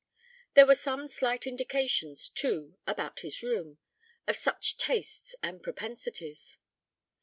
There were some slight indications, too, about his room, of such tastes and propensities.